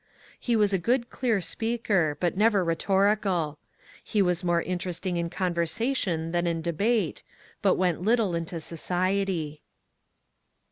He was a good clear speaker, but never rhetorical. He was more interesting in conversation than in debate, but went little into society.